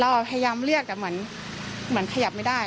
พยายามเรียกแต่เหมือนขยับไม่ได้